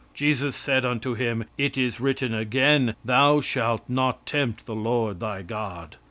"Jesus said unto him, It is written again, Thou shalt not tempt the Lord thy God."